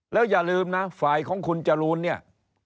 แล้วอย่าลืมนะฝ่ายของคุณจรูนเนี่ย